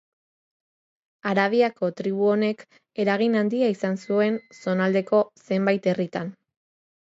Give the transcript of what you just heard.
Arabiako tribu honek eragin handia izan zuen zonaldeko zenbait herritan.